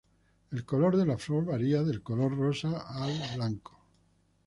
El color de la flor varía del color rosa a la blanco.